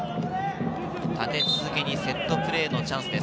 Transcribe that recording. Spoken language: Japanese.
立て続けにセットプレーのチャンスです。